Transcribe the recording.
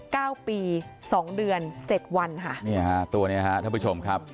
เก้าปีสองเดือนเจ็ดวันค่ะเนี่ยฮะตัวเนี้ยฮะท่านผู้ชมครับ